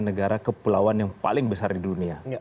negara kepulauan yang paling besar di dunia